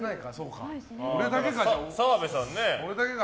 俺だけか。